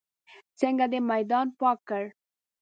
څنګه دې میدان پاک کړ.